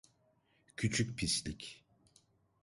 Küçük pislik.